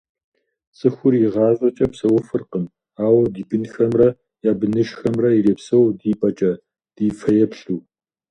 Цӏыхур игъащӏэкӏэ псэуфыркъым, ауэ ди бынхэмрэ я быныжхэмрэ ирепсэу ди пӏэкӏэ, ди фэеплъу…